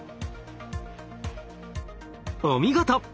お見事！